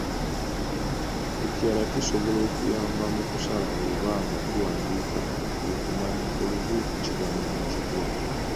Ekirala ekisobola okuyamba mu kusalawo oba nga tuwandiika kwe kumanya olubu ekigambo mwe kigwa.